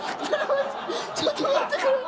ちょっと待ってくれ！